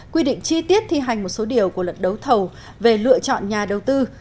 quy định chi tiết thi hành một số điều của luận đấu thầu về lựa chọn nhà đầu tư